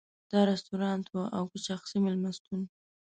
دا رستورانت و او که شخصي مېلمستون.